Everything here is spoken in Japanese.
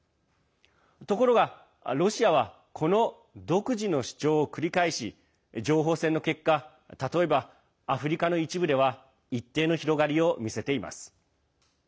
ところがロシアはこの独自の主張を繰り返し情報戦の結果例えばアフリカの一部では一定の広がりを見せています。